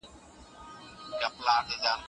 پر ښځه لازمه ده چې د کور داخلي کارونه ترسره کړي.